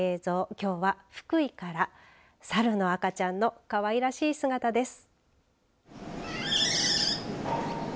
きょうは福井から猿の赤ちゃんのかわいらしい姿です。